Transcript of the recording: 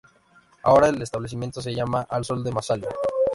Ahora, el establecimiento se llama "Al sol de Massalia".